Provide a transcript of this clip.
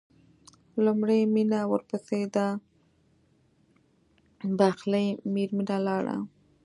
لومړی مينه ورپسې دا بښلې مېرمنه لاړه.